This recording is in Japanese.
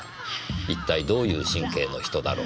「一体どういう神経の人だろう。